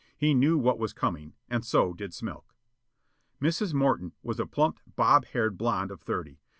He knew what was coming. And so did Smilk. Mrs. Morton was a plump, bobbed hair blond of thirty.